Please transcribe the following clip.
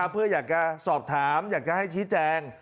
เพื่ออยากจะสอบถามอยากจะให้ชี้แจง